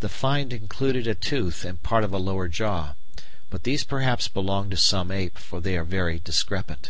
The "find" included a tooth and part of a lower jaw, but these perhaps belong to some ape, for they are very discrepant.